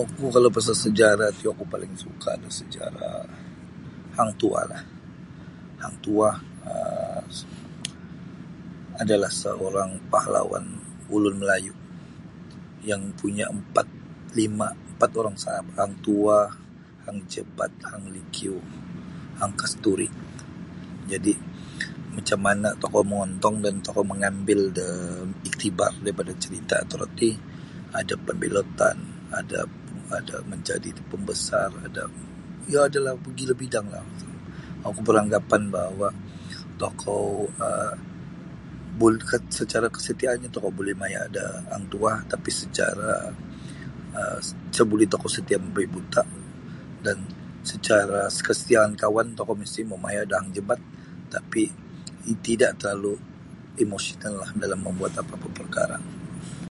Oku kalau pasal sejarah ti oku paling suka da sejarah Hang Tuahlah Hang Tuah um adalah seorang pahlawan ulun Melayu yang punya empat lima empat orang sahabat Hang Tuah Hang Jebat Hang Lekiu Hang Kasturi. Jadi macam mana tokou mongontong dan tokou mengambil ida ktibar daripada carita toroti ada pembelotan ada majadi da pembesar iyo mogilo bidanglah. Oku beranggapan secara kesetiaannyo tokou buli maya da Hang Tuah tapi isa buli setia secara membabi buta. Secara kesetiaan kawannyo tokou buli maya da Hang Jebat tapi isa boleh emosional dalam membuat apa-apa perkara.